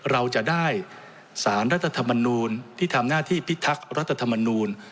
เราจะได้สารรัฐธรรมนูลที่ทำหน้าที่พิทักษ์รัฐธรรมนูล